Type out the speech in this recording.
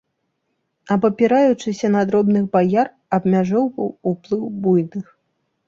Абапіраючыся на дробных баяр, абмяжоўваў уплыў буйных.